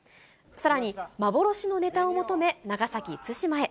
さらに、幻のネタを求め、長崎・対馬へ。